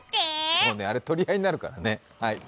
そうね、あれ取り合いになるからね。